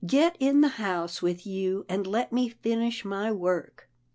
Get in the house with you, and let me finish my work."